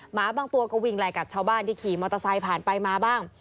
หมาบางตัวก็วิ่งไล่กัดชาวบ้านที่ขี่มอเตอร์ไซค์ผ่านไปมาบ้าง